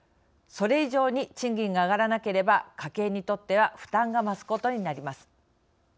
それ以上に賃金が上がらなければ家計にとっては負担が増すことになります。